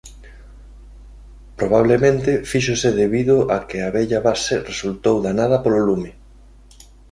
Probablemente fíxose debido a que a vella base resultou danada polo lume.